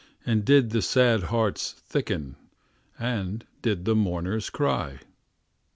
And did the sad hearts thicken, And did the mourners cry?